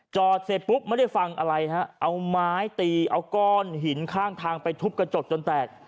จอดเสร็จปุ๊บไม่ได้ฟังอะไรฮะเอาไม้ตีเอาก้อนหินข้างทางไปทุบกระจกจนแตก